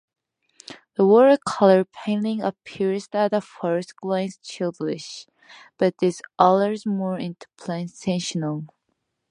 The watercolor painting appears at a first glance childish, but it allows more interpretations.